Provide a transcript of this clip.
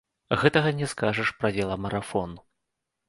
Гэтага не скажаш пра веламарафон.